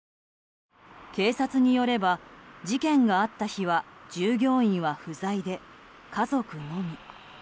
警察によれば、事件があった日は従業員は不在で家族のみ。